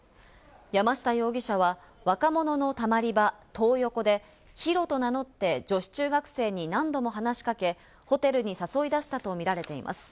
山下容疑者は若者のたまり場、トー横でヒロと名乗って女子中学生に何度も話しかけ、ホテルに誘い出したと見られています。